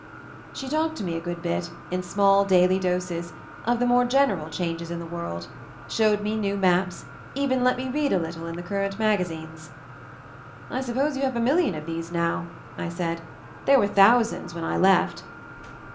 ...... She talked to me a good bit, in small daily doses, of the more general changes in the world, showed me new maps, even let me read a little in the current magazines. "I suppose you have a million of these now," I said. "There were thousands when I left!"